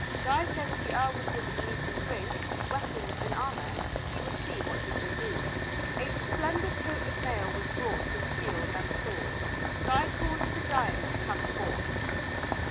Guy said if the earl would give him meat and drink, weapons and armor, he would see what he could do. A splendid coat of mail was brought with shield and sword. Guy called to the giant to come forth.